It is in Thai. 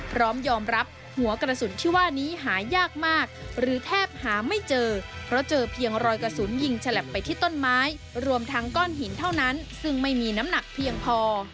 พร้อมยอมรับหัวกระสุนที่ว่านี้หายากมากหรือแทบหาไม่เจอเพราะเจอเพียงรอยกระสุนยิงฉลับไปที่ต้นไม้รวมทั้งก้อนหินเท่านั้นซึ่งไม่มีน้ำหนักเพียงพอ